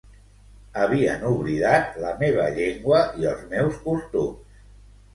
Havien oblidat la meva llengua i els meus costums.